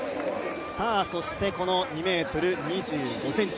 そしてこの２ｍ２５ｃｍ。